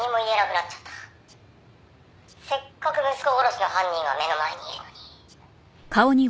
「せっかく息子殺しの犯人が目の前にいるのに」